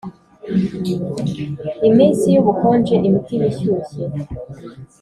iminsi y'ubukonje, imitima ishyushye.